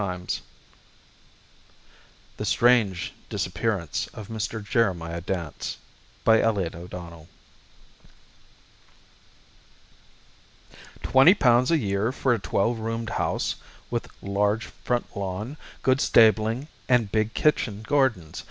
It runs thus: The Strange Disappearance of Mr. Jeremiah Dance "Twenty pounds a year for a twelve roomed house with large front lawn, good stabling and big kitchen gardens.